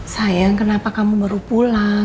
sayang kenapa kamu baru pulang